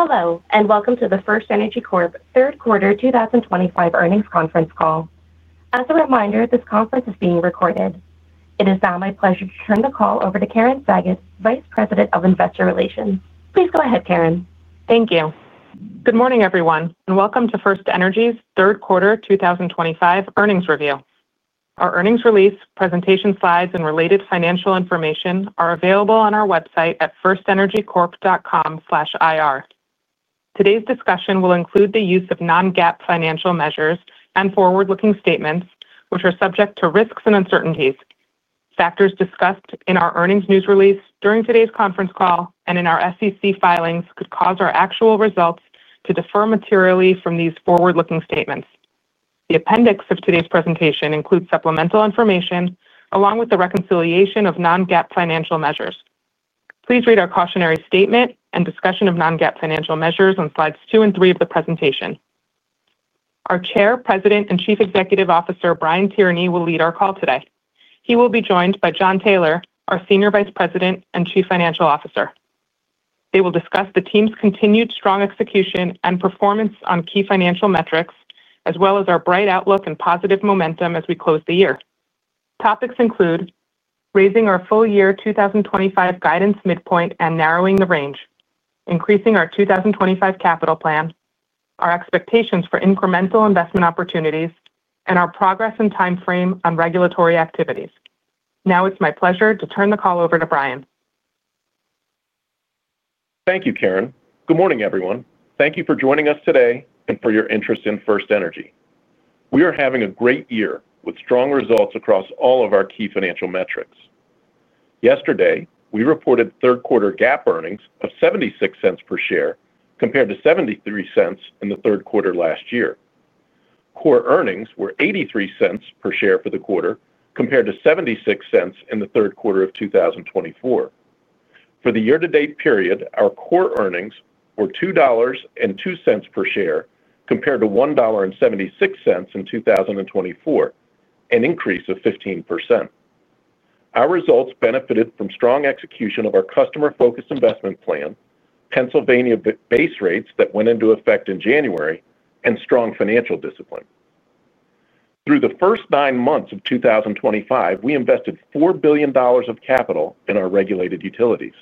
Hello, and welcome to the FirstEnergy Corp Third Quarter 2025 Earnings Conference Call. As a reminder, this conference is being recorded. It is now my pleasure to turn the call over to Karen Sagot, Vice President of Investor Relations. Please go ahead, Karen. Thank you. Good morning, everyone, and welcome to FirstEnergy Corp's Third Quarter 2025 Earnings Review. Our earnings release, presentation slides, and related financial information are available on our website at firstenergycorp.com/ir. Today's discussion will include the use of non-GAAP financial measures and forward-looking statements, which are subject to risks and uncertainties. Factors discussed in our earnings news release, during today's conference call, and in our SEC filings could cause our actual results to differ materially from these forward-looking statements. The appendix of today's presentation includes supplemental information along with the reconciliation of non-GAAP financial measures. Please read our cautionary statement and discussion of non-GAAP financial measures on slides two and three of the presentation. Our Chair, President, and Chief Executive Officer, Brian Tierney, will lead our call today. He will be joined by Jon Taylor, our Senior Vice President and Chief Financial Officer. They will discuss the team's continued strong execution and performance on key financial metrics, as well as our bright outlook and positive momentum as we close the year. Topics include raising our full-year 2025 guidance midpoint and narrowing the range, increasing our 2025 capital plan, our expectations for incremental investment opportunities, and our progress and timeframe on regulatory activities. Now it's my pleasure to turn the call over to Brian. Thank you, Karen. Good morning, everyone. Thank you for joining us today and for your interest in FirstEnergy. We are having a great year with strong results across all of our key financial metrics. Yesterday, we reported third-quarter GAAP earnings of $0.76 per share, compared to $0.73 in the third quarter last year. Core earnings were $0.83 per share for the quarter, compared to $0.76 in the third quarter of 2024. For the year-to-date period, our core earnings were $2.02 per share, compared to $1.76 in 2024, an increase of 15%. Our results benefited from strong execution of our customer-focused investment plan, Pennsylvania base rates that went into effect in January, and strong financial discipline. Through the first 9 months of 2025, we invested $4 billion of capital in our regulated utilities.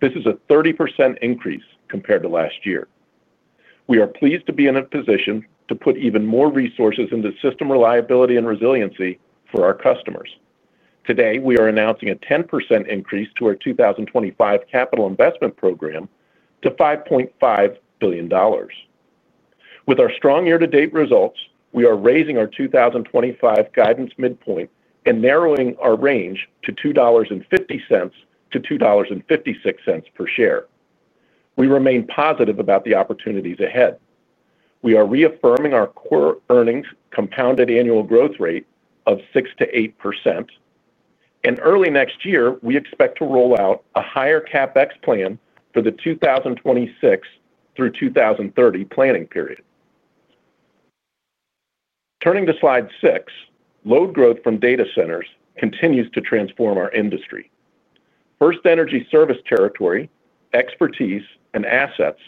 This is a 30% increase compared to last year. We are pleased to be in a position to put even more resources into system reliability and resiliency for our customers. Today, we are announcing a 10% increase to our 2025 capital investment program to $5.5 billion. With our strong year-to-date results, we are raising our 2025 guidance midpoint and narrowing our range to $2.50-$2.56 per share. We remain positive about the opportunities ahead. We are reaffirming our core earnings compound annual growth rate of 6%-8%, and early next year, we expect to roll out a higher CapEx plan for the 2026 through 2030 planning period. Turning to slide six, load growth from data centers continues to transform our industry. FirstEnergy service territory, expertise, and assets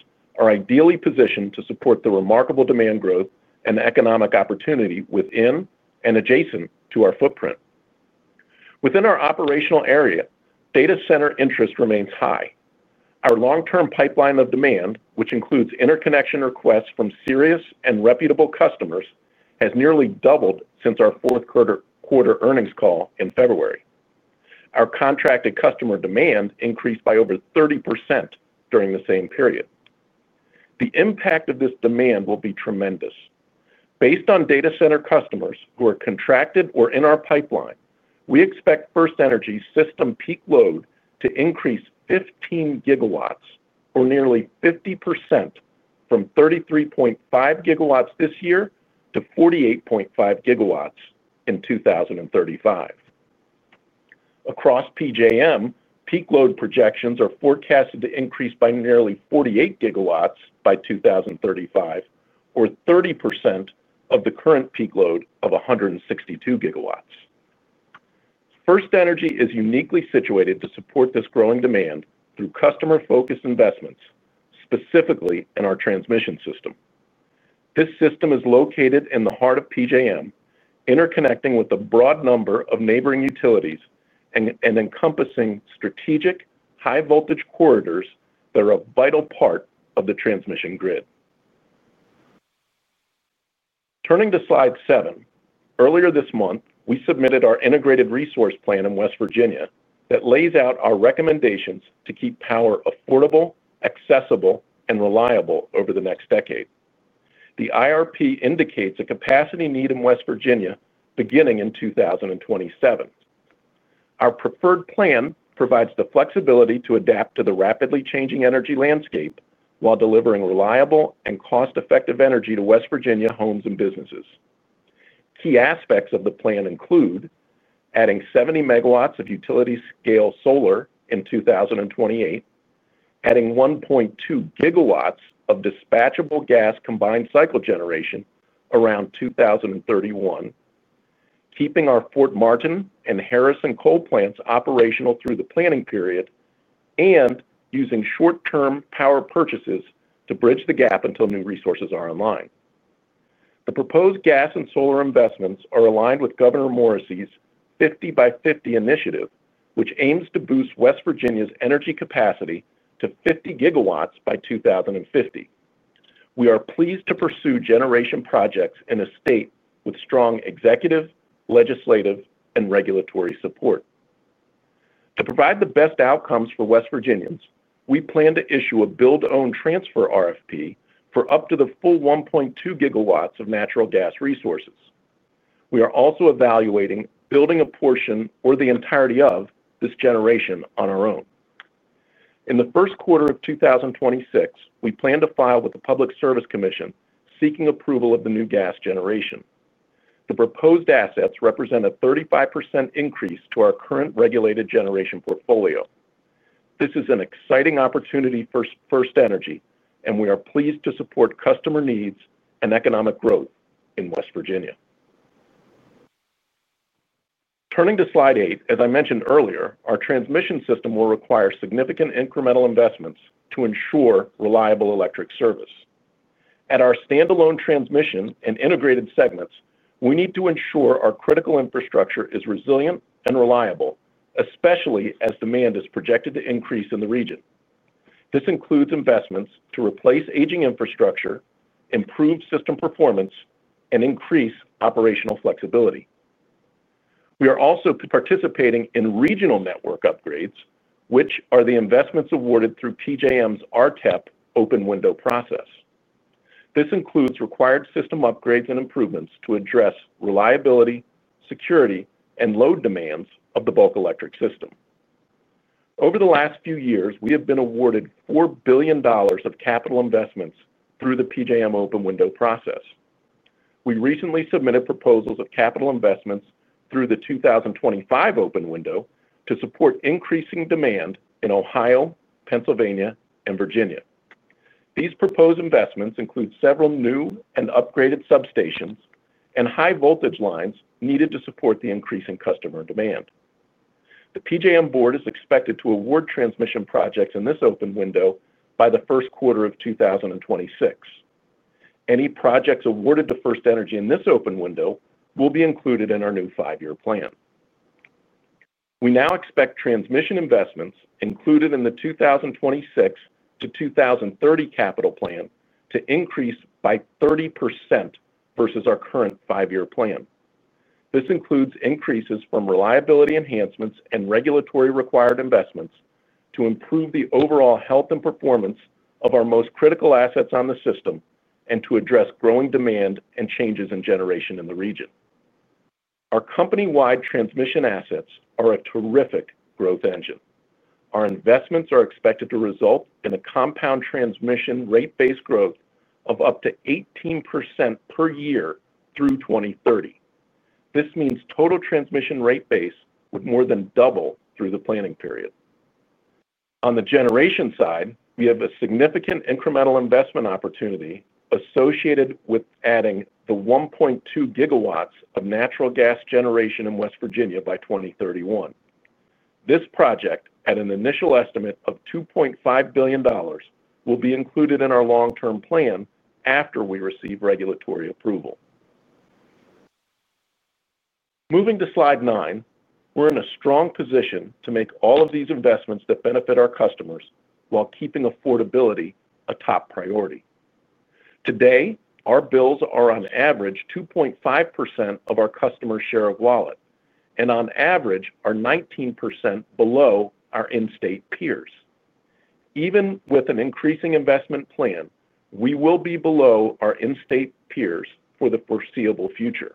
are ideally positioned to support the remarkable demand growth and economic opportunity within and adjacent to our footprint. Within our operational area, data center interest remains high. Our long-term pipeline of demand, which includes interconnection requests from serious and reputable customers, has nearly doubled since our fourth quarter earnings call in February. Our contracted customer demand increased by over 30% during the same period. The impact of this demand will be tremendous. Based on data center customers who are contracted or in our pipeline, we expect FirstEnergy's system peak load to increase 15 GW, or nearly 50% from 33.5 GW this year to 48.5 GW in 2035. Across PJM, peak load projections are forecasted to increase by nearly 48 GW by 2035, or 30% of the current peak load of 162 GW. FirstEnergy is uniquely situated to support this growing demand through customer-focused investments, specifically in our transmission system. This system is located in the heart of PJM, interconnecting with a broad number of neighboring utilities and encompassing strategic high-voltage corridors that are a vital part of the transmission grid. Turning to slide seven, earlier this month, we submitted our integrated resource plan in West Virginia that lays out our recommendations to keep power affordable, accessible, and reliable over the next decade. The IRP indicates a capacity need in West Virginia beginning in 2027. Our preferred plan provides the flexibility to adapt to the rapidly changing energy landscape while delivering reliable and cost-effective energy to West Virginia homes and businesses. Key aspects of the plan include adding 70 MW of utility-scale solar in 2028, adding 1.2 GW of dispatchable natural gas combined cycle generation around 2031, keeping our Fort Martin and Harrison coal plants operational through the planning period, and using short-term power purchases to bridge the gap until new resources are in line. The proposed gas and solar investments are aligned with Governor Morrissey's 50 by 50 initiative, which aims to boost West Virginia's energy capacity to 50 GW by 2050. We are pleased to pursue generation projects in a state with strong executive, legislative, and regulatory support. To provide the best outcomes for West Virginians, we plan to issue a build-own-transfer RFP for up to the full 1.2 GW of natural gas resources. We are also evaluating building a portion or the entirety of this generation on our own. In the first quarter of 2026, we plan to file with the Public Service Commission seeking approval of the new gas generation. The proposed assets represent a 35% increase to our current regulated generation portfolio. This is an exciting opportunity for FirstEnergy, and we are pleased to support customer needs and economic growth in West Virginia. Turning to slide eight, as I mentioned earlier, our transmission system will require significant incremental investments to ensure reliable electric service. At our standalone transmission and integrated segments, we need to ensure our critical infrastructure is resilient and reliable, especially as demand is projected to increase in the region. This includes investments to replace aging infrastructure, improve system performance, and increase operational flexibility. We are also participating in regional network upgrades, which are the investments awarded through PJM's RTEP open window process. This includes required system upgrades and improvements to address reliability, security, and load demands of the bulk electric system. Over the last few years, we have been awarded $4 billion of capital investments through the PJM open window process. We recently submitted proposals of capital investments through the 2025 open window to support increasing demand in Ohio, Pennsylvania, and Virginia. These proposed investments include several new and upgraded substations and high voltage lines needed to support the increasing customer demand. The PJM board is expected to award transmission projects in this open window by the first quarter of 2026. Any projects awarded to FirstEnergy in this open window will be included in our new 5-year plan. We now expect transmission investments included in the 2026-2030 capital plan to increase by 30% versus our current 5-year plan. This includes increases from reliability enhancements and regulatory required investments to improve the overall health and performance of our most critical assets on the system and to address growing demand and changes in generation in the region. Our company-wide transmission assets are a terrific growth engine. Our investments are expected to result in a compound transmission rate-based growth of up to 18% per year through 2030. This means total transmission rate base would more than double through the planning period. On the generation side, we have a significant incremental investment opportunity associated with adding the 1.2 GW of natural gas generation in West Virginia by 2031. This project, at an initial estimate of $2.5 billion, will be included in our long-term plan after we receive regulatory approval. Moving to slide nine, we're in a strong position to make all of these investments that benefit our customers while keeping affordability a top priority. Today, our bills are on average 2.5% of our customer share of wallet, and on average are 19% below our in-state peers. Even with an increasing investment plan, we will be below our in-state peers for the foreseeable future.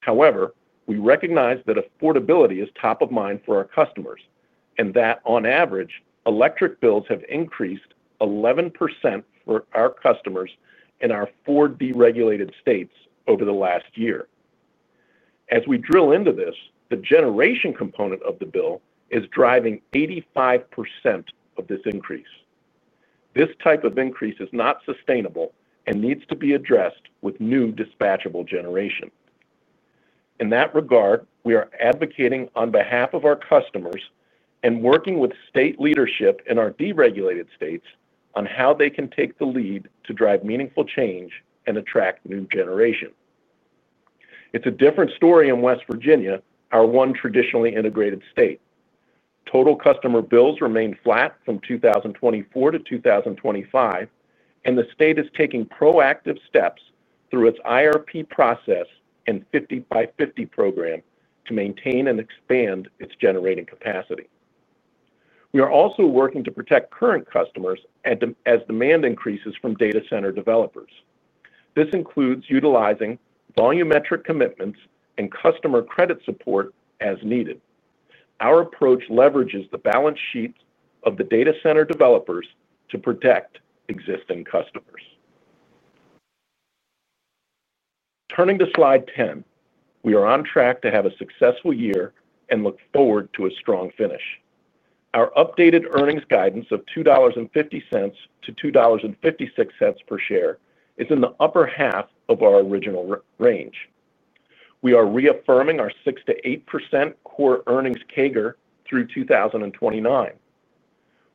However, we recognize that affordability is top of mind for our customers and that on average, electric bills have increased 11% for our customers in our four deregulated states over the last year. As we drill into this, the generation component of the bill is driving 85% of this increase. This type of increase is not sustainable and needs to be addressed with new dispatchable generation. In that regard, we are advocating on behalf of our customers and working with state leadership in our deregulated states on how they can take the lead to drive meaningful change and attract new generation. It's a different story in West Virginia, our one traditionally integrated state. Total customer bills remain flat from 2024-2025, and the state is taking proactive steps through its IRP process and 50 by 50 program to maintain and expand its generating capacity. We are also working to protect current customers as demand increases from data center developers. This includes utilizing volumetric commitments and customer credit support as needed. Our approach leverages the balance sheets of the data center developers to protect existing customers. Turning to slide 10, we are on track to have a successful year and look forward to a strong finish. Our updated earnings guidance of $2.50-$2.56 per share is in the upper half of our original range. We are reaffirming our 6%-8% core earnings CAGR through 2029.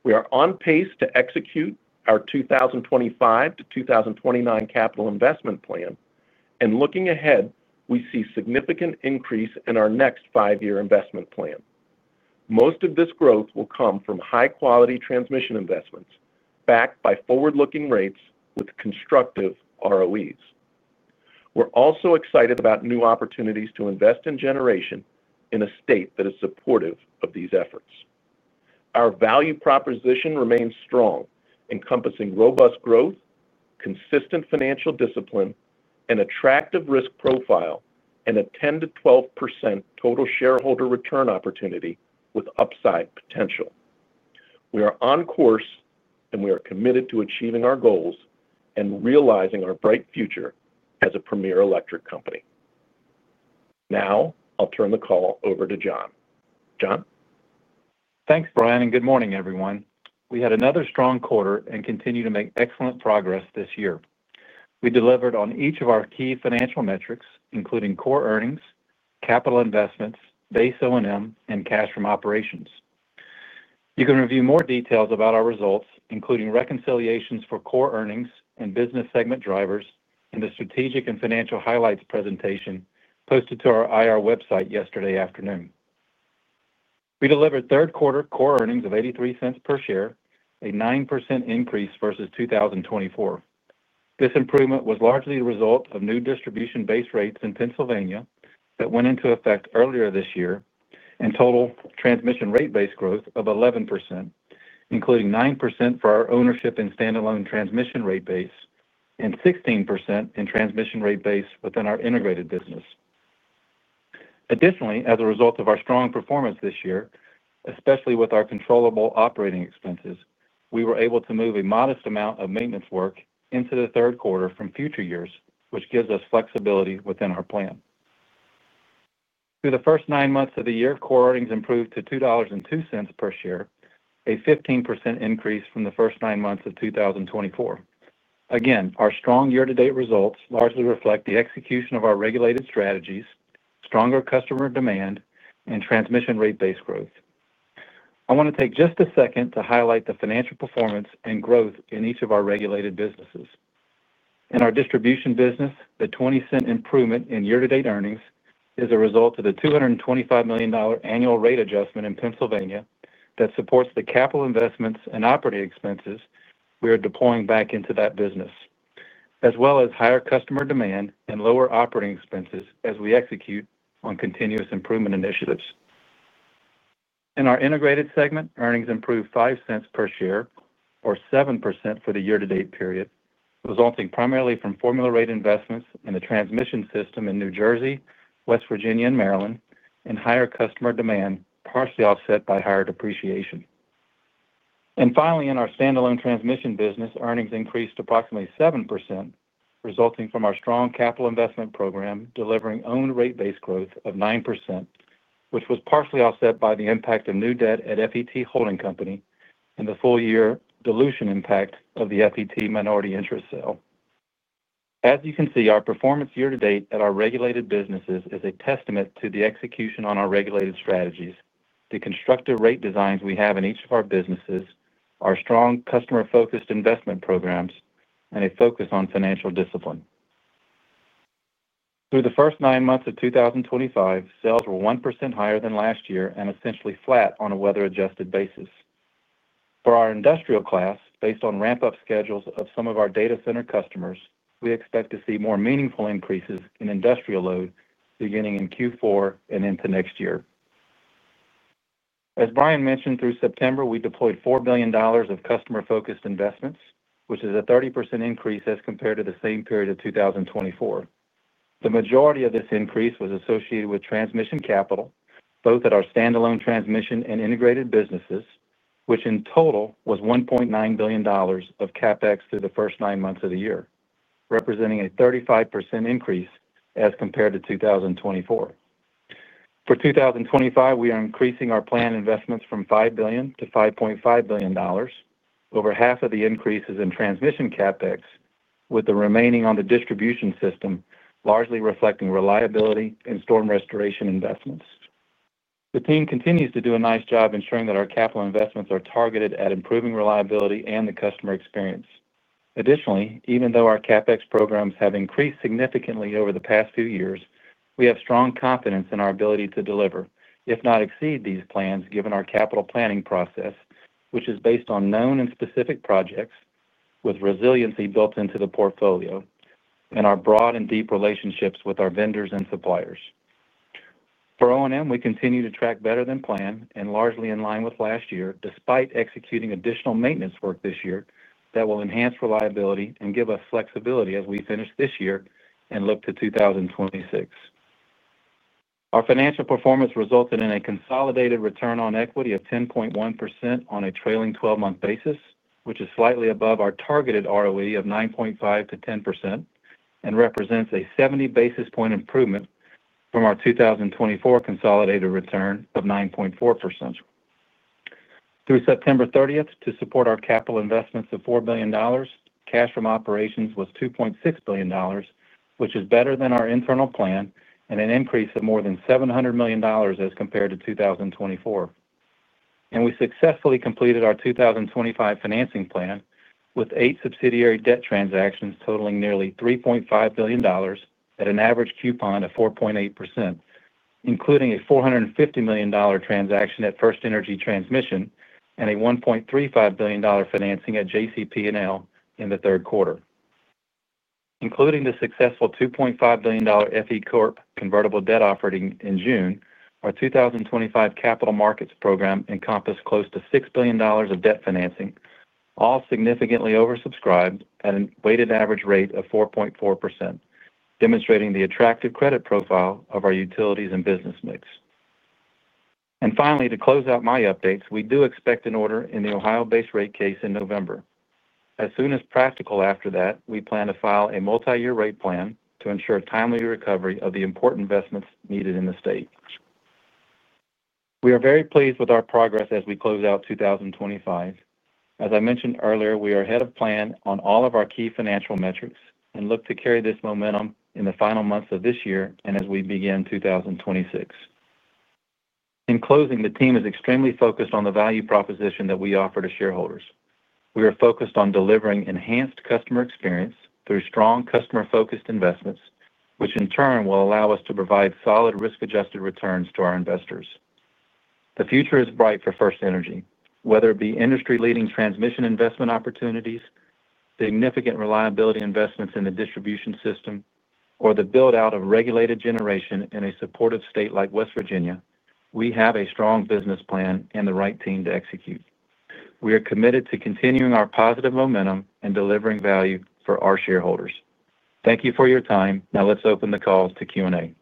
We are on pace to execute our 2025-2029 capital investment plan, and looking ahead, we see a significant increase in our next 5-year investment plan. Most of this growth will come from high-quality transmission investments backed by forward-looking rates with constructive ROEs. We're also excited about new opportunities to invest in generation in a state that is supportive of these efforts. Our value proposition remains strong, encompassing robust growth, consistent financial discipline, an attractive risk profile, and a 10%-12% total shareholder return opportunity with upside potential. We are on course, and we are committed to achieving our goals and realizing our bright future as a premier electric company. Now, I'll turn the call over to Jon. Jon? Thanks, Brian, and good morning, everyone. We had another strong quarter and continue to make excellent progress this year. We delivered on each of our key financial metrics, including core earnings, capital investments, base O&M, and cash from operations. You can review more details about our results, including reconciliations for core earnings and business segment drivers in the strategic and financial highlights presentation posted to our IR website yesterday afternoon. We delivered third-quarter core earnings of $0.83 per share, a 9% increase versus 2024. This improvement was largely the result of new distribution base rates in Pennsylvania that went into effect earlier this year and total transmission rate base growth of 11%, including 9% for our ownership in standalone transmission rate base and 16% in transmission rate base within our integrated business. Additionally, as a result of our strong performance this year, especially with our controllable operating expenses, we were able to move a modest amount of maintenance work into the third quarter from future years, which gives us flexibility within our plan. Through the first 9 months of the year, core earnings improved to $2.02 per share, a 15% increase from the first 9 months of 2024. Again, our strong year-to-date results largely reflect the execution of our regulated strategies, stronger customer demand, and transmission rate base growth. I want to take just a second to highlight the financial performance and growth in each of our regulated businesses. In our distribution business, the 20% improvement in year-to-date earnings is a result of the $225 million annual rate adjustment in Pennsylvania that supports the capital investments and operating expenses we are deploying back into that business, as well as higher customer demand and lower operating expenses as we execute on continuous improvement initiatives. In our integrated segment, earnings improved $0.05 per share, or 7% for the year-to-date period, resulting primarily from formula rate investments in the transmission system in New Jersey, West Virginia, and Maryland, and higher customer demand partially offset by higher depreciation. Finally, in our standalone transmission business, earnings increased approximately 7%, resulting from our strong capital investment program delivering owned rate base growth of 9%, which was partially offset by the impact of new debt at FET Holding Company and the full-year dilution impact of the FET minority interest sale. As you can see, our performance year-to-date at our regulated businesses is a testament to the execution on our regulated strategies, the constructive rate designs we have in each of our businesses, our strong customer-focused investment programs, and a focus on financial discipline. Through the first 9 months of 2025, sales were 1% higher than last year and essentially flat on a weather-adjusted basis. For our industrial class, based on ramp-up schedules of some of our data center customers, we expect to see more meaningful increases in industrial load beginning in Q4 and into next year. As Brian mentioned, through September, we deployed $4 billion of customer-focused investments, which is a 30% increase as compared to the same period of 2024. The majority of this increase was associated with transmission capital, both at our standalone transmission and integrated businesses, which in total was $1.9 billion of CapEx through the first 9 months of the year, representing a 35% increase as compared to 2024. For 2025, we are increasing our planned investments from $5 billion-$5.5 billion. Over half of the increase is in transmission CapEx, with the remaining on the distribution system largely reflecting reliability and storm restoration investments. The team continues to do a nice job ensuring that our capital investments are targeted at improving reliability and the customer experience. Additionally, even though our CapEx programs have increased significantly over the past few years, we have strong confidence in our ability to deliver, if not exceed, these plans given our capital planning process, which is based on known and specific projects with resiliency built into the portfolio and our broad and deep relationships with our vendors and suppliers. For O&M, we continue to track better than planned and largely in line with last year, despite executing additional maintenance work this year that will enhance reliability and give us flexibility as we finish this year and look to 2026. Our financial performance resulted in a consolidated return on equity of 10.1% on a trailing 12-month basis, which is slightly above our targeted ROE of 9.5%-10% and represents a 70 basis point improvement from our 2024 consolidated return of 9.4%. Through September 30th, to support our capital investments of $4 billion, cash from operations was $2.6 billion, which is better than our internal plan and an increase of more than $700 million as compared to 2024. We successfully completed our 2025 financing plan with eight subsidiary debt transactions totaling nearly $3.5 billion at an average coupon of 4.8%, including a $450 million transaction at FirstEnergy Transmission and a $1.35 billion financing at JCP&L in the third quarter. Including the successful $2.5 billion FE Corp convertible debt offering in June, our 2025 capital markets program encompassed close to $6 billion of debt financing, all significantly oversubscribed at a weighted average rate of 4.4%, demonstrating the attractive credit profile of our utilities and business mix. Finally, to close out my updates, we do expect an order in the Ohio base rate case in November. As soon as practical after that, we plan to file a multi-year rate plan to ensure timely recovery of the important investments needed in the state. We are very pleased with our progress as we close out 2025. As I mentioned earlier, we are ahead of plan on all of our key financial metrics and look to carry this momentum in the final months of this year and as we begin 2026. In closing, the team is extremely focused on the value proposition that we offer to shareholders. We are focused on delivering enhanced customer experience through strong customer-focused investments, which in turn will allow us to provide solid risk-adjusted returns to our investors. The future is bright for FirstEnergy. Whether it be industry-leading transmission investment opportunities, significant reliability investments in the distribution system, or the build-out of regulated generation in a supportive state like West Virginia, we have a strong business plan and the right team to execute. We are committed to continuing our positive momentum and delivering value for our shareholders. Thank you for your time. Now let's open the call to Q&A.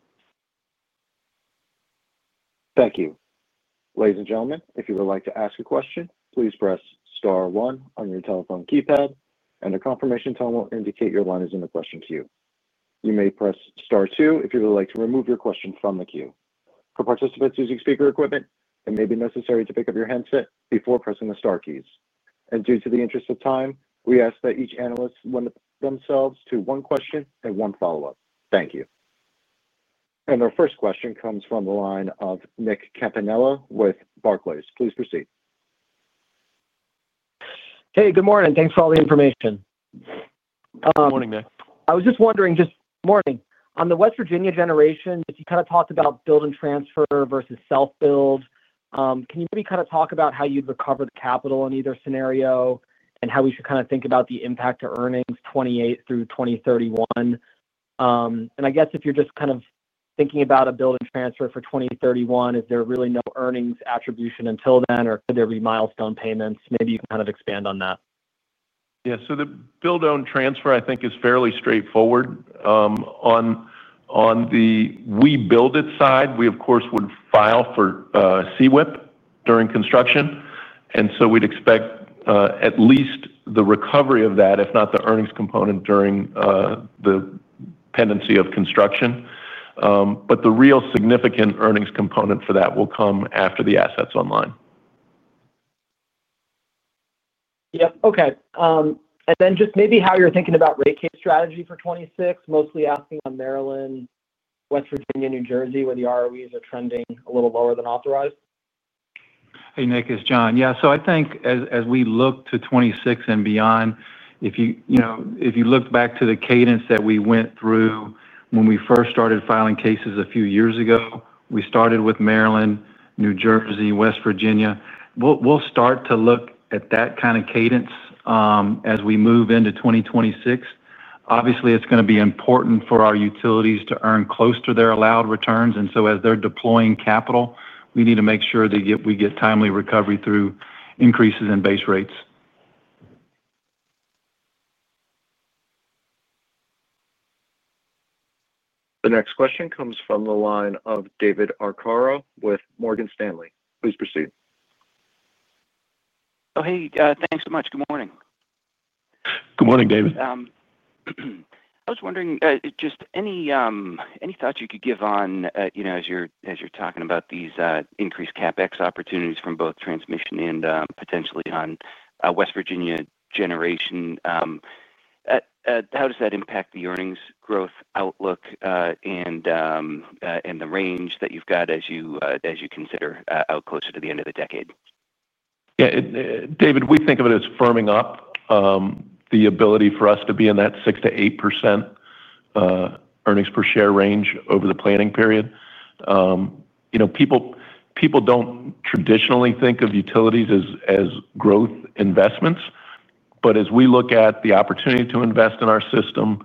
Thank you. Ladies and gentlemen, if you would like to ask a question, please press star one on your telephone keypad, and a confirmation tone will indicate your line is in the question queue. You may press star two if you would like to remove your question from the queue. For participants using speaker equipment, it may be necessary to pick up your handset before pressing the star keys. Due to the interest of time, we ask that each analyst limit themselves to one question and one follow-up. Thank you. Our first question comes from the line of Nick Campanella with Barclays. Please proceed. Hey, good morning. Thanks for all the information. Good morning, Nick. I was just wondering, this morning, on the West Virginia generation, if you kind of talked about build-own-transfer versus self-build, can you maybe kind of talk about how you'd recover the capital in either scenario and how we should kind of think about the impact to earnings 2028 through 2031? If you're just kind of thinking about a build-own-transfer for 2031, is there really no earnings attribution until then, or could there be milestone payments? Maybe you can kind of expand on that. The build-own-transfer, I think, is fairly straightforward. On the we build it side, we, of course, would file for CWIP during construction. We'd expect at least the recovery of that, if not the earnings component, during the pendency of construction. The real significant earnings component for that will come after the asset's online. Okay. Maybe how you're thinking about rate case strategy for 2026, mostly asking on Maryland, West Virginia, and New Jersey, where the ROEs are trending a little lower than authorized. Hey, Nick. It's Jon. Yeah, as we look to 2026 and beyond, if you look back to the cadence that we went through when we first started filing cases a few years ago, we started with Maryland, New Jersey, West Virginia. We'll start to look at that kind of cadence as we move into 2026. Obviously, it's going to be important for our utilities to earn close to their allowed returns. As they're deploying capital, we need to make sure that we get timely recovery through increases in base rates. The next question comes from the line of David Arcaro with Morgan Stanley. Please proceed. Oh, thanks so much. Good morning. Good morning, David. I was wondering, just any thoughts you could give on, you know, as you're talking about these increased CapEx opportunities from both transmission and potentially on West Virginia generation. How does that impact the earnings growth outlook and the range that you've got as you consider out closer to the end of the decade? Yeah. David, we think of it as firming up the ability for us to be in that 6%-8% earnings per share range over the planning period. You know, people don't traditionally think of utilities as growth investments, but as we look at the opportunity to invest in our system,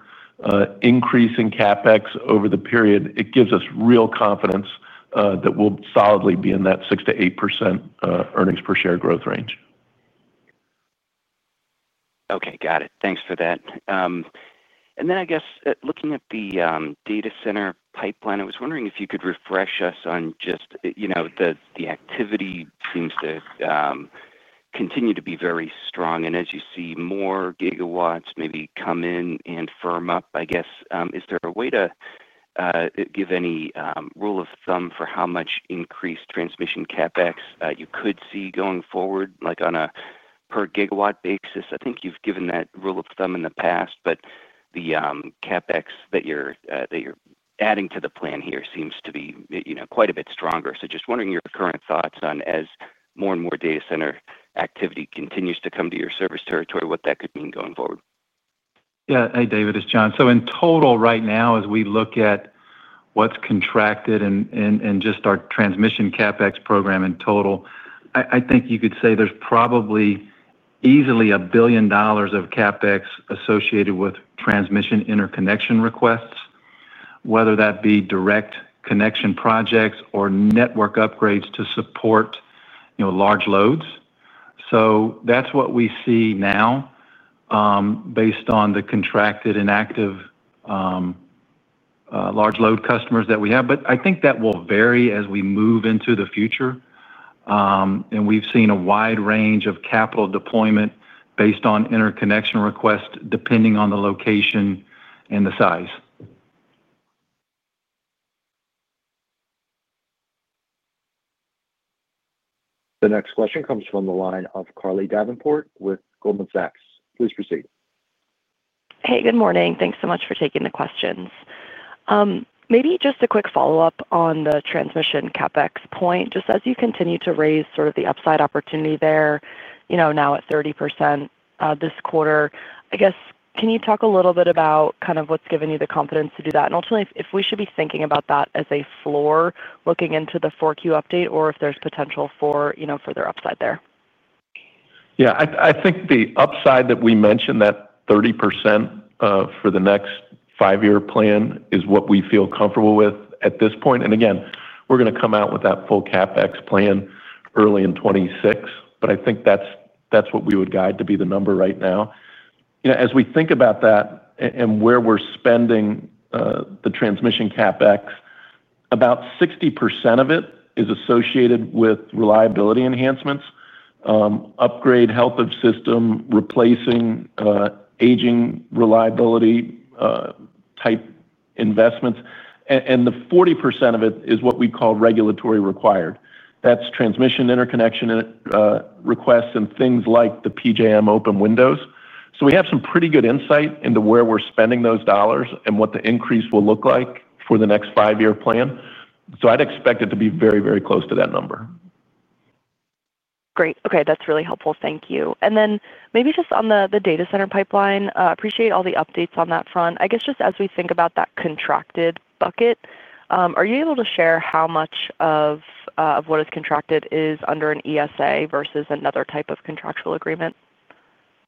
increasing CapEx over the period, it gives us real confidence that we'll solidly be in that 6%-8% earnings per share growth range. Okay. Got it. Thanks for that. I guess looking at the data center pipeline, I was wondering if you could refresh us on just, you know, the activity seems to continue to be very strong. As you see more gigawatts maybe come in and firm up, is there a way to give any rule of thumb for how much increased transmission CapEx you could see going forward, like on a per-gigawatt basis? I think you've given that rule of thumb in the past, but the CapEx that you're adding to the plan here seems to be, you know, quite a bit stronger. Just wondering your current thoughts on as more and more data center activity continues to come to your service territory, what that could mean going forward. Yeah. Hey, David. It's Jon. In total right now, as we look at what's contracted and just our transmission CapEx program in total, I think you could say there's probably easily $1 billion of CapEx associated with transmission interconnection requests, whether that be direct connection projects or network upgrades to support large loads. That's what we see now based on the contracted and active large load customers that we have. I think that will vary as we move into the future. We've seen a wide range of capital deployment based on interconnection requests depending on the location and the size. The next question comes from the line of Carly Davenport with Goldman Sachs. Please proceed. Hey, good morning. Thanks so much for taking the questions. Maybe just a quick follow-up on the transmission CapEx point. As you continue to raise sort of the upside opportunity there, now at 30% this quarter, I guess, can you talk a little bit about kind of what's given you the confidence to do that? Ultimately, if we should be thinking about that as a floor looking into the 4Q update or if there's potential for further upside there. Yeah. I think the upside that we mentioned, that 30% for the next 5-year plan, is what we feel comfortable with at this point. Again, we're going to come out with that full CapEx plan early in 2026, but I think that's what we would guide to be the number right now. You know, as we think about that and where we're spending the transmission CapEx, about 60% of it is associated with reliability enhancements, upgrade, health of system, replacing, aging reliability type investments. The 40% of it is what we call regulatory required. That's transmission interconnection requests and things like the PJM open windows. We have some pretty good insight into where we're spending those dollars and what the increase will look like for the next 5-year plan. I'd expect it to be very, very close to that number. Great. Okay. That's really helpful. Thank you. Maybe just on the data center pipeline, I appreciate all the updates on that front. I guess just as we think about that contracted bucket, are you able to share how much of what is contracted is under an ESA versus another type of contractual agreement?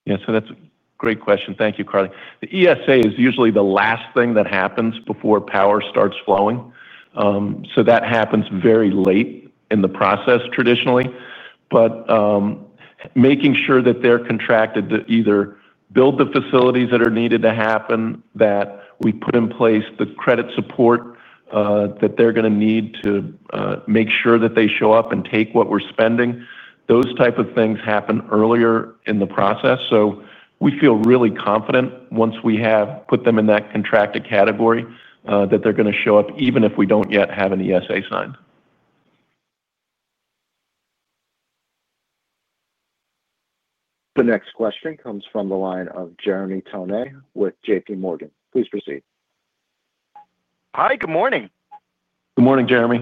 Yeah, that's a great question. Thank you, Carly. The ESA is usually the last thing that happens before power starts flowing. That happens very late in the process traditionally. Making sure that they're contracted to either build the facilities that are needed to happen, that we put in place the credit support that they're going to need to make sure that they show up and take what we're spending, those types of things happen earlier in the process. We feel really confident once we have put them in that contracted category that they're going to show up even if we don't yet have an ESA signed. The next question comes from the line of Jeremy Tonet with JPMorgan. Please proceed. Hi, good morning. Good morning, Jeremy.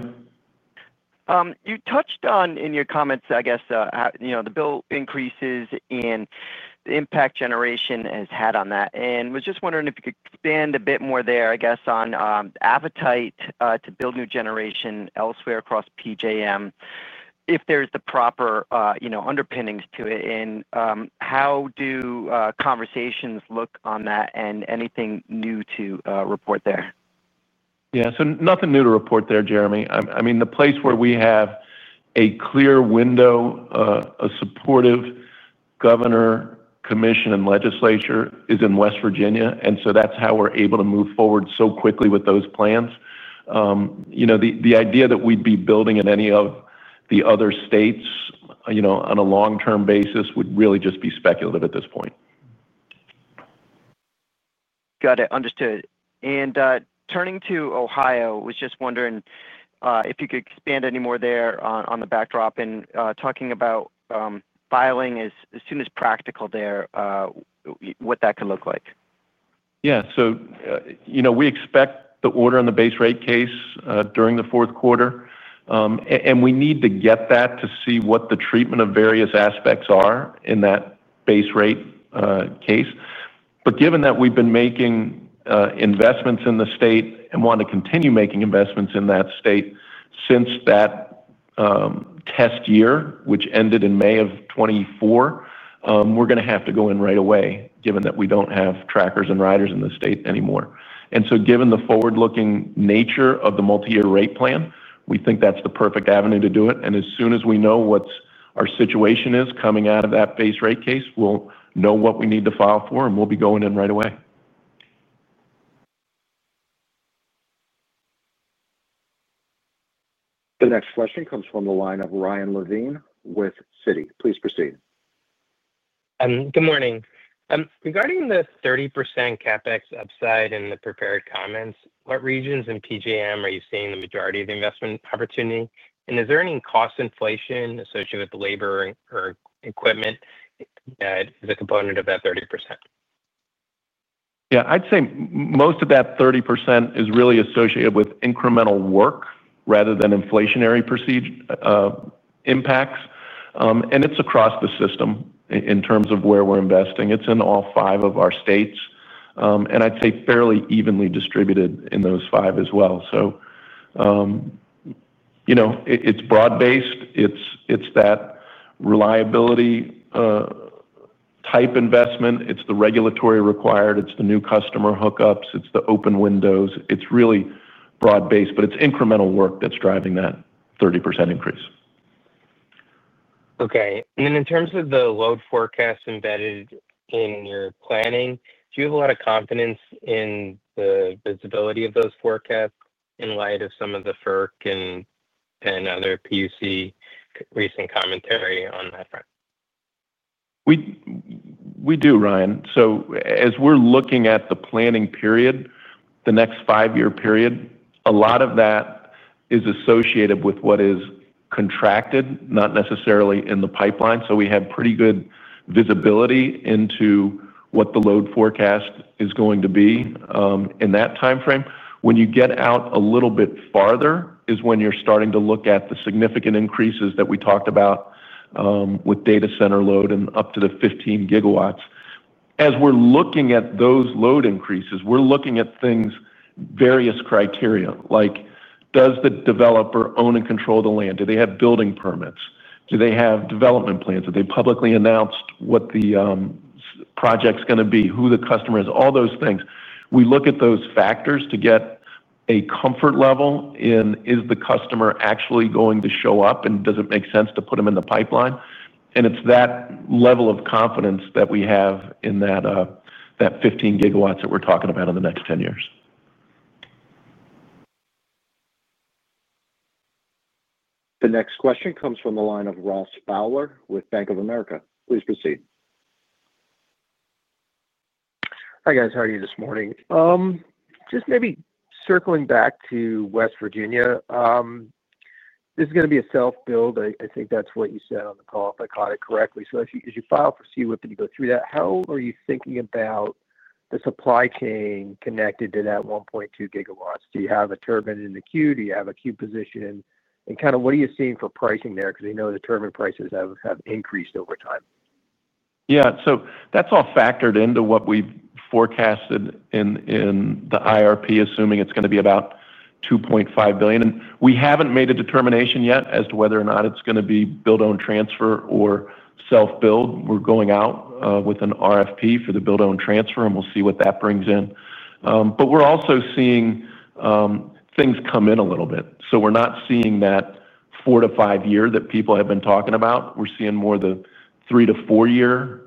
You touched on in your comments, I guess, the bill increases and the impact generation has had on that. I was just wondering if you could expand a bit more there on the appetite to build new generation elsewhere across PJM if there's the proper underpinnings to it. How do conversations look on that, and anything new to report there? Yeah. Nothing new to report there, Jeremy. The place where we have a clear window, a supportive Governor, commission, and legislature is in West Virginia. That's how we're able to move forward so quickly with those plans. The idea that we'd be building in any of the other states on a long-term basis would really just be speculative at this point. Got it. Understood. Turning to Ohio, I was just wondering if you could expand any more there on the backdrop and talking about filing as soon as practical there, what that could look like. We expect the order in the base rate case during the fourth quarter. We need to get that to see what the treatment of various aspects are in that base rate case. Given that we've been making investments in the state and want to continue making investments in that state since that test year, which ended in May of 2024, we're going to have to go in right away given that we don't have trackers and riders in the state anymore. Given the forward-looking nature of the multi-year rate plan, we think that's the perfect avenue to do it. As soon as we know what our situation is coming out of that base rate case, we'll know what we need to file for, and we'll be going in right away. The next question comes from the line of Ryan Levine with Citi. Please proceed. Good morning. Regarding the 30% CapEx upside in the prepared comments, what regions in PJM are you seeing the majority of the investment opportunity? Is there any cost inflation associated with the labor or equipment as a component of that 30%? I'd say most of that 30% is really associated with incremental work rather than inflationary impacts. It's across the system in terms of where we're investing. It's in all five of our states, and I'd say fairly evenly distributed in those five as well. It's broad-based. It's that reliability type investment, the regulatory required, the new customer hookups, the open windows. It's really broad-based, but it's incremental work that's driving that 30% increase. Okay. In terms of the load forecast embedded in your planning, do you have a lot of confidence in the visibility of those forecasts in light of some of the FERC and other PUC recent commentary on that front? We do, Ryan. As we're looking at the planning period, the next 5-year period, a lot of that is associated with what is contracted, not necessarily in the pipeline. We have pretty good visibility into what the load forecast is going to be in that timeframe. When you get out a little bit farther, you're starting to look at the significant increases that we talked about with data center load and up to the 15 GW. As we're looking at those load increases, we're looking at things, various criteria, like does the developer own and control the land? Do they have building permits? Do they have development plans? Have they publicly announced what the project's going to be, who the customer is, all those things. We look at those factors to get a comfort level in is the customer actually going to show up and does it make sense to put them in the pipeline? It's that level of confidence that we have in that 15 GW that we're talking about in the next 10 years. The next question comes from the line of Ross Fowler with Bank of America. Please proceed. Hi, guys. How are you this morning? Just maybe circling back to West Virginia. This is going to be a self-build. I think that's what you said on the call, if I caught it correctly. As you file for CWIP and you go through that, how are you thinking about the supply chain connected to that 1.2 GW? Do you have a turbine in the queue? Do you have a queue position? What are you seeing for pricing there? We know the turbine prices have increased over time. Yeah. That's all factored into what we've forecasted in the IRP, assuming it's going to be about $2.5 billion. We haven't made a determination yet as to whether or not it's going to be build-own-transfer or self-build. We're going out with an RFP for the build-own-transfer, and we'll see what that brings in. We're also seeing things come in a little bit. We're not seeing that 4-5 year that people have been talking about. We're seeing more of the 3-4 year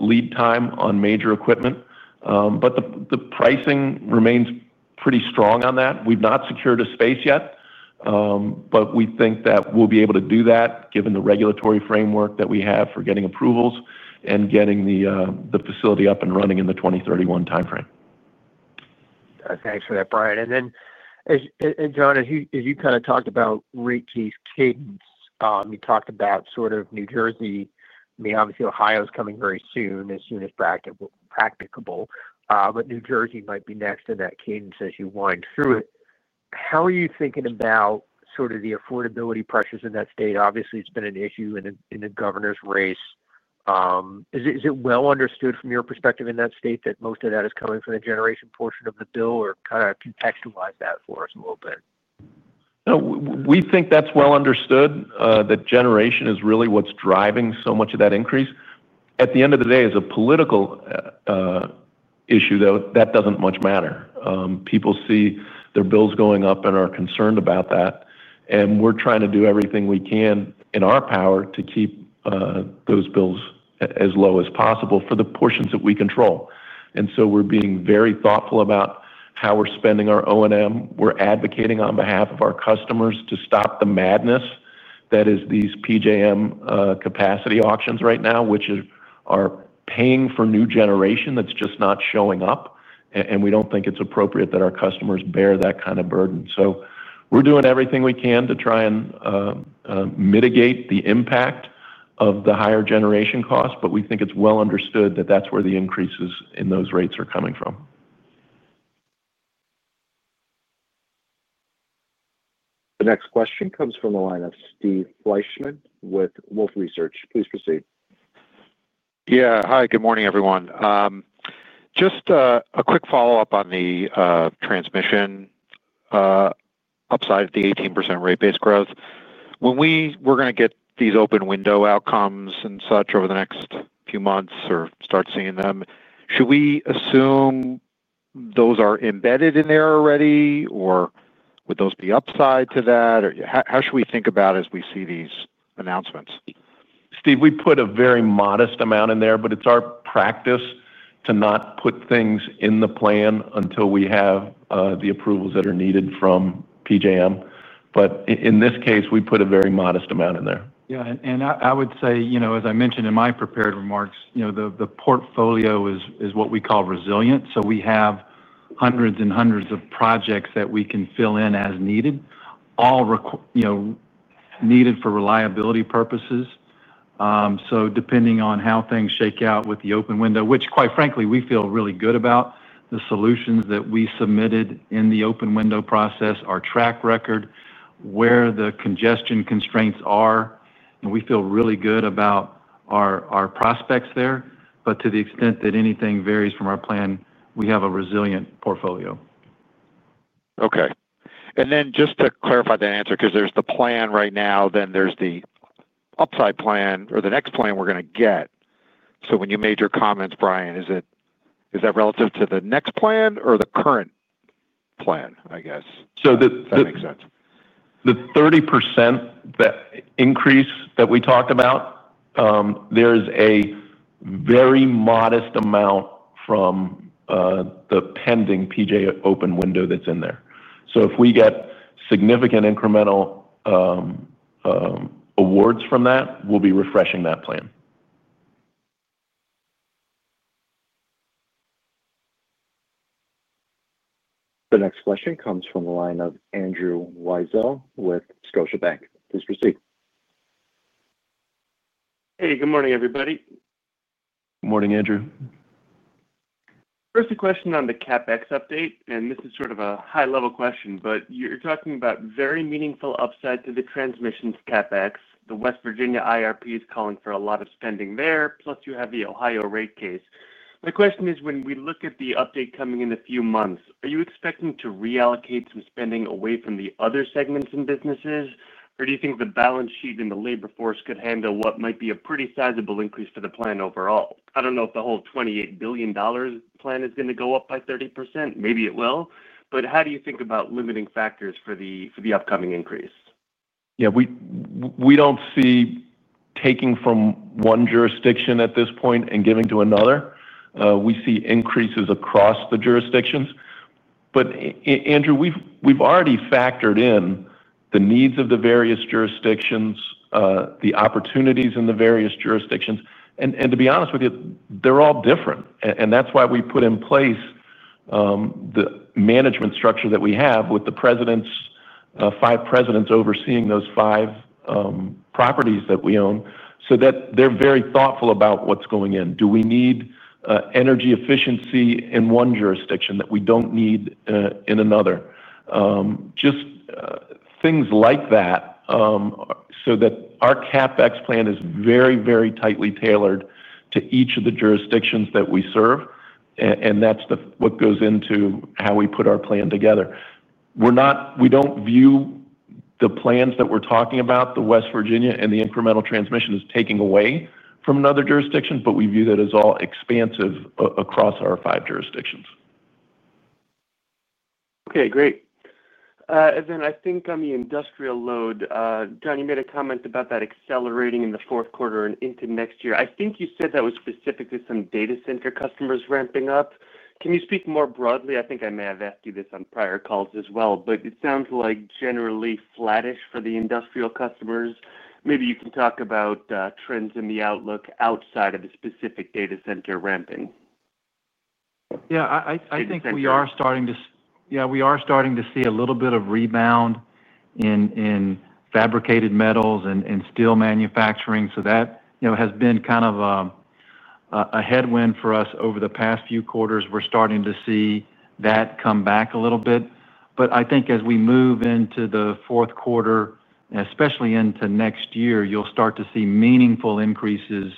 lead time on major equipment. The pricing remains pretty strong on that. We've not secured a space yet, but we think that we'll be able to do that given the regulatory framework that we have for getting approvals and getting the facility up and running in the 2031 timeframe. Thanks for that, Brian. Jon, as you kind of talked about rate case cadence, you talked about sort of New Jersey. Obviously, Ohio is coming very soon, as soon as practicable, but New Jersey might be next in that cadence as you wind through it. How are you thinking about sort of the affordability pressures in that state? Obviously, it's been an issue in the governor's race. Is it well understood from your perspective in that state that most of that is coming from the generation portion of the bill, or kind of contextualize that for us a little bit? We think that's well understood that generation is really what's driving so much of that increase. At the end of the day, as a political issue, though, that doesn't much matter. People see their bills going up and are concerned about that. We're trying to do everything we can in our power to keep those bills as low as possible for the portions that we control. We're being very thoughtful about how we're spending our O&M. We're advocating on behalf of our customers to stop the madness that is these PJM capacity auctions right now, which are paying for new generation that's just not showing up. We don't think it's appropriate that our customers bear that kind of burden. We're doing everything we can to try and mitigate the impact of the higher generation costs, but we think it's well understood that that's where the increases in those rates are coming from. The next question comes from the line of Steve Fleischman with Wolfe Research. Please proceed. Hi. Good morning, everyone. Just a quick follow-up on the transmission upside at the 18% rate-based growth. When we're going to get these open window outcomes and such over the next few months or start seeing them, should we assume those are embedded in there already, or would those be upside to that? How should we think about it as we see these announcements? Steve, we put a very modest amount in there, but it's our practice to not put things in the plan until we have the approvals that are needed from PJM. In this case, we put a very modest amount in there. I would say, as I mentioned in my prepared remarks, the portfolio is what we call resilient. We have hundreds and hundreds of projects that we can fill in as needed, all needed for reliability purposes. Depending on how things shake out with the open window, which quite frankly, we feel really good about the solutions that we submitted in the open window process, our track record, where the congestion constraints are, we feel really good about our prospects there. To the extent that anything varies from our plan, we have a resilient portfolio. Okay. Just to clarify that answer, because there's the plan right now, then there's the upside plan or the next plan we're going to get. When you made your comments, Brian, is that relative to the next plan or the current plan, I guess, if that makes sense? The 30% increase that we talked about, there's a very modest amount from the pending PJM open window that's in there. If we get significant incremental awards from that, we'll be refreshing that plan. The next question comes from the line of Andrew Weisel with Scotiabank. Please proceed. Hey, good morning, everybody. Morning, Andrew? First, a question on the CapEx update. This is sort of a high-level question, but you're talking about very meaningful upside to the transmission CapEx. The West Virginia IRP is calling for a lot of spending there, plus you have the Ohio rate case. My question is, when we look at the update coming in a few months, are you expecting to reallocate some spending away from the other segments and businesses, or do you think the balance sheet and the labor force could handle what might be a pretty sizable increase for the plan overall? I don't know if the whole $28 billion plan is going to go up by 30%. Maybe it will. How do you think about limiting factors for the upcoming increase? Yeah. We don't see taking from one jurisdiction at this point and giving to another. We see increases across the jurisdictions. Andrew, we've already factored in the needs of the various jurisdictions, the opportunities in the various jurisdictions. To be honest with you, they're all different. That's why we put in place the management structure that we have with the five presidents overseeing those five properties that we own so that they're very thoughtful about what's going in. Do we need energy efficiency in one jurisdiction that we don't need in another? Just things like that so that our CapEx plan is very, very tightly tailored to each of the jurisdictions that we serve. That's what goes into how we put our plan together. We don't view the plans that we're talking about, the West Virginia and the incremental transmission, as taking away from another jurisdiction. We view that as all expansive across our five jurisdictions. Great. I think on the industrial load, Jon, you made a comment about that accelerating in the fourth quarter and into next year. I think you said that was specifically some data center customers ramping up. Can you speak more broadly? I think I may have asked you this on prior calls as well, but it sounds like generally flattish for the industrial customers. Maybe you can talk about trends in the outlook outside of the specific data center ramping. I think we are starting to see a little bit of rebound in fabricated metals and steel manufacturing. That has been kind of a headwind for us over the past few quarters. We're starting to see that come back a little bit. I think as we move into the fourth quarter, especially into next year, you'll start to see meaningful increases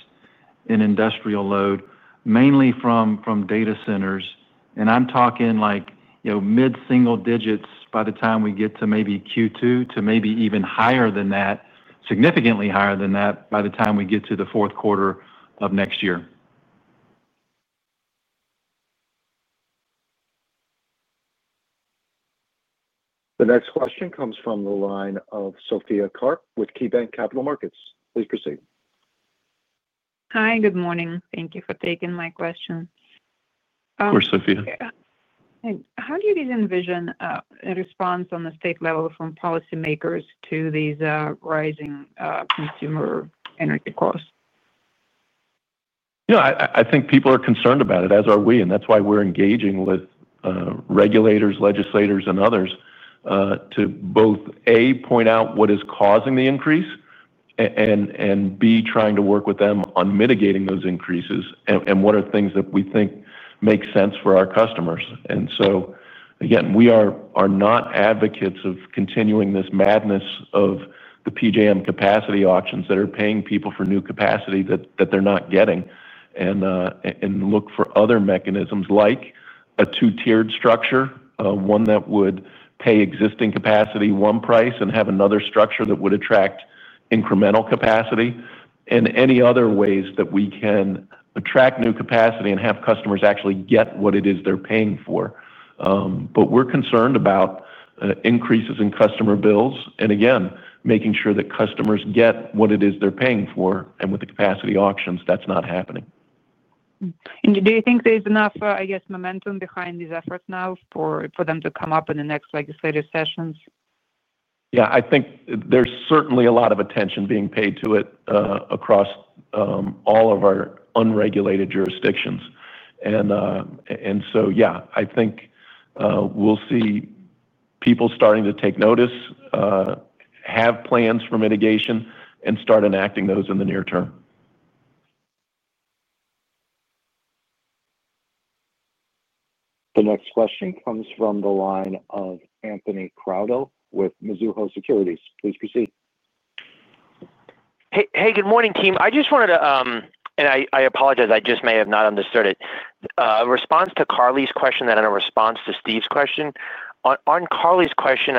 in industrial load, mainly from data centers. I'm talking like, you know, mid-single digits by the time we get to maybe Q2 to maybe even higher than that, significantly higher than that by the time we get to the fourth quarter of next year. The next question comes from the line of [Sophie] Karp with KeyBanc Capital Markets. Please proceed. Hi, and good morning. Thank you for taking my question. Of course, [Sophia] How do you guys envision a response on the state level from policymakers to these rising consumer energy costs? Yeah. I think people are concerned about it, as are we. That is why we're engaging with regulators, legislators, and others to both, A, point out what is causing the increase and, B, trying to work with them on mitigating those increases and what are things that we think make sense for our customers. Again, we are not advocates of continuing this madness of the PJM capacity auctions that are paying people for new capacity that they're not getting and look for other mechanisms like a two-tiered structure, one that would pay existing capacity one price and have another structure that would attract incremental capacity, and any other ways that we can attract new capacity and have customers actually get what it is they're paying for. We're concerned about increases in customer bills and, again, making sure that customers get what it is they're paying for. With the capacity auctions, that's not happening. Do you think there's enough momentum behind these efforts now for them to come up in the next legislative sessions? I think there's certainly a lot of attention being paid to it across all of our unregulated jurisdictions. I think we'll see people starting to take notice, have plans for mitigation, and start enacting those in the near term. The next question comes from the line of Anthony Crowdell with Mizuho Securities. Please proceed. Good morning, team. I just wanted to, and I apologize, I just may not have understood it, a response to Carly's question and a response to Steve's question. On Carly's question,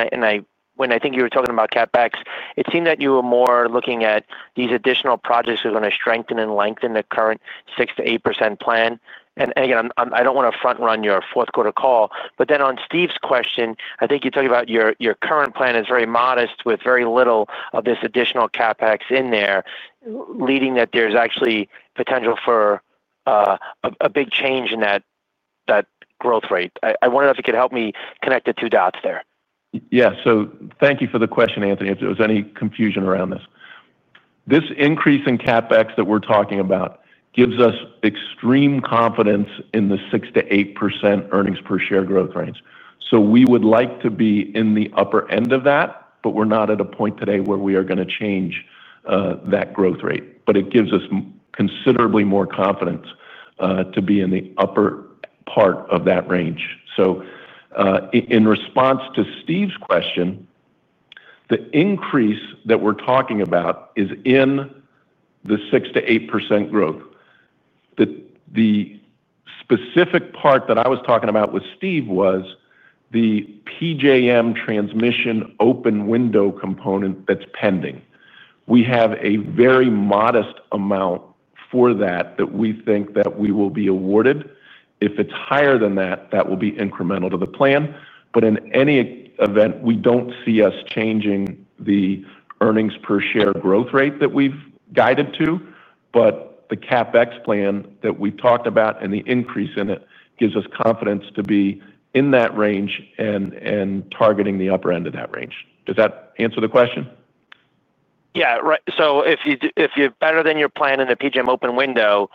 when I think you were talking about CapEx, it seemed that you were more looking at these additional projects that are going to strengthen and lengthen the current 6%-8% plan. I do not want to front-run your fourth quarter call. On Steve's question, I think you're talking about your current plan is very modest with very little of this additional CapEx in there, leading that there's actually potential for a big change in that growth rate. I want to know if you could help me connect the two dots there. Thank you for the question, Anthony, if there was any confusion around this. This increase in CapEx that we're talking about gives us extreme confidence in the 6%-8% earnings per share growth range. We would like to be in the upper end of that, but we're not at a point today where we are going to change that growth rate. It gives us considerably more confidence to be in the upper part of that range. In response to Steve's question, the increase that we're talking about is in the 6%-8% growth. The specific part that I was talking about with Steve was the PJM transmission open window component that's pending. We have a very modest amount for that that we think that we will be awarded. If it's higher than that, that will be incremental to the plan. In any event, we don't see us changing the earnings per share growth rate that we've guided to. The CapEx plan that we've talked about and the increase in it gives us confidence to be in that range and targeting the upper end of that range. Does that answer the question? Right. If you're better than your plan in the PJM open window,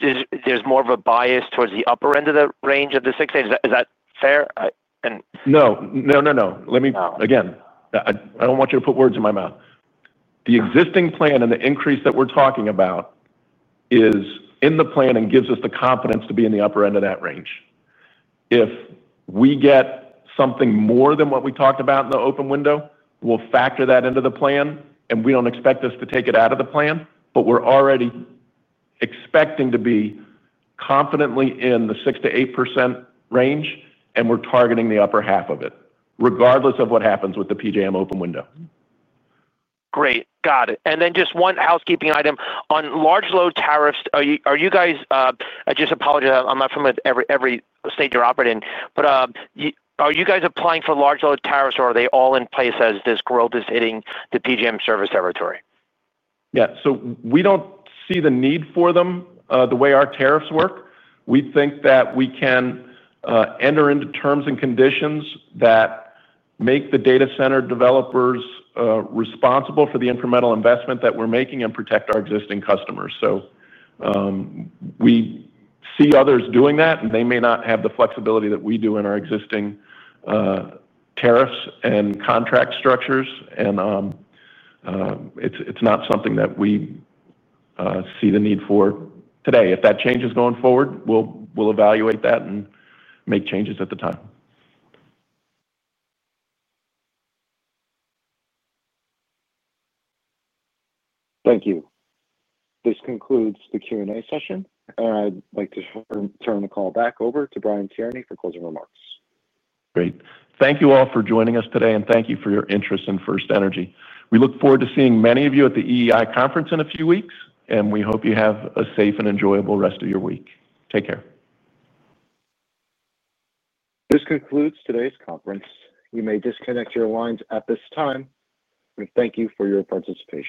there's more of a bias towards the upper end of the range of the 6%. Is that fair? Let me, again, I don't want you to put words in my mouth. The existing plan and the increase that we're talking about is in the plan and gives us the confidence to be in the upper end of that range. If we get something more than what we talked about in the open window, we'll factor that into the plan. We don't expect us to take it out of the plan, but we're already expecting to be confidently in the 6%-8% range, and we're targeting the upper half of it, regardless of what happens with the PJM open window. Great. Got it. Just one housekeeping item. On large load tariffs, are you guys, I apologize, I'm not familiar with every state you're operating in, but are you guys applying for large load tariffs, or are they all in place as this growth is hitting the PJM service territory? We don't see the need for them the way our tariffs work. We think that we can enter into terms and conditions that make the data center developers responsible for the incremental investment that we're making and protect our existing customers. We see others doing that, and they may not have the flexibility that we do in our existing tariffs and contract structures. It's not something that we see the need for today. If that changes going forward, we'll evaluate that and make changes at the time. Thank you. This concludes the Q&A session. I'd like to turn the call back over to Brian Tierney for closing remarks. Great. Thank you all for joining us today, and thank you for your interest in FirstEnergy. We look forward to seeing many of you at the EEI conference in a few weeks, and we hope you have a safe and enjoyable rest of your week. Take care. This concludes today's conference. You may disconnect your lines at this time. Thank you for your participation.